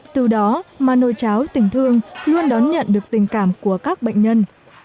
từ đó mà nồi cháo tình thương luôn đón nhận được tình cảm của các bệnh nhân